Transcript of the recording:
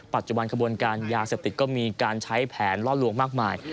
ปัจจุบันขบวนการยาเสพติดก็มีการใช้แผนล่อลวงมากมาย